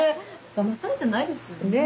だまされてないですよね。